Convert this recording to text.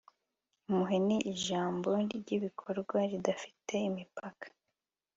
impuhwe ni ijambo ry'ibikorwa ridafite imipaka